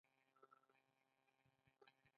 د یوناني درملو کارول لا هم شته.